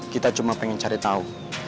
kita cuma pengen cari tahu